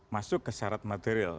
masuk ke syarat material